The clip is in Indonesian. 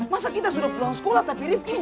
masa kita sudah pulang sekolah tapi rivki ini